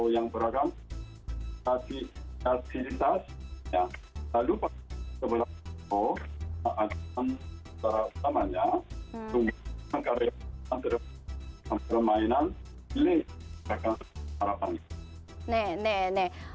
dan mengatakan harapan